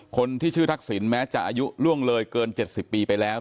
คนที่ชื่อทักษิณแม้จะอายุล่วงเลยเกิน๗๐ปีไปแล้ว